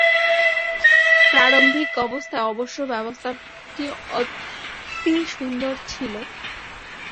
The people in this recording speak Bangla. প্রারম্ভিক অবস্থায় অবশ্য ব্যবস্থাটি অতি সুন্দর ছিল।